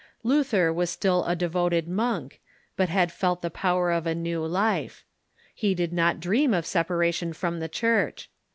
Luther was still a devoted monk, but had felt the power of a new life. He did not dream of separation from the Church.